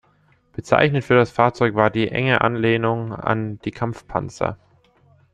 Bezeichnend für das Fahrzeug war die enge Anlehnung an die Kampfpanzer.